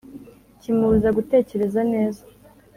kimubuza gutekereza neza